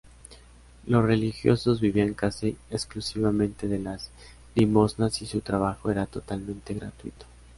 Los religiosos vivían casi exclusivamente de las limosnas y su trabajo era totalmente gratuito.